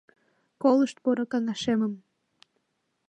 Колышт поро каҥашемым: